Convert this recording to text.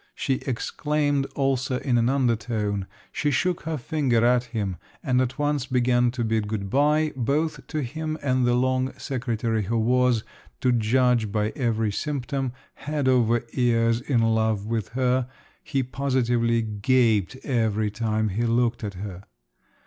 she exclaimed also in an undertone; she shook her finger at him, and at once began to bid good bye both to him and the long secretary, who was, to judge by every symptom, head over ears in love with her; he positively gaped every time he looked at her.